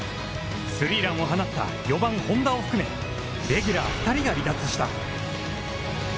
スリーランを放った４番本田を含め、レギュラー２人が離脱した。